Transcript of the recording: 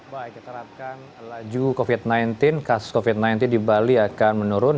baik kita harapkan laju covid sembilan belas kasus covid sembilan belas di bali akan menurun